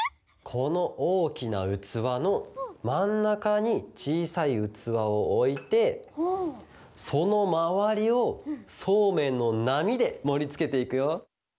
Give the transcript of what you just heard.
このおおきなうつわのまんなかにちいさいうつわをおいてそのまわりをそうめんのなみでもりつけていくよ。